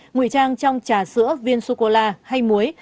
nguy trang trong trà sữa viên sô cô la hay muối